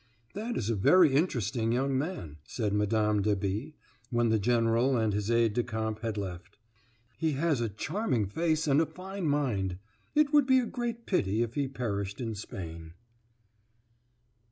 "That is a very interesting young man," said Mme. de B. when the general and his aide de camp had left; "he has a charming face and a fine mind. It would be a great pity if he perished in Spain."